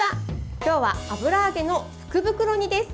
今日は油揚げの福袋煮です。